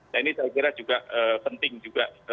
nah ini saya kira juga penting juga